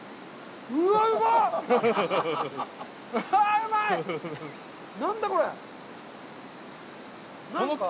うまいっ！